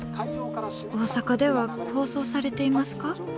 大阪では放送されていますか？」。